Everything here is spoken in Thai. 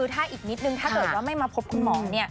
ถ้าอีกนิดหนึ่งถ้าเกิดไม่มาพบคุณหมอเนี่ย